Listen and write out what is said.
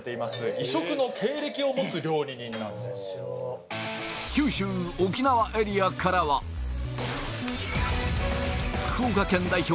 異色の経歴を持つ料理人なんです九州沖縄エリアからは福岡県代表